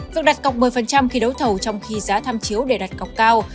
việc đặt cọc một mươi khi đấu thầu trong khi giá tham chiếu để đặt cọc cao